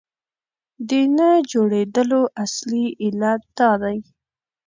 د نه جوړېدلو اصلي علت دا دی.